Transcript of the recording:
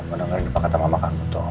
mendengar ini pak kata mama kamu tuh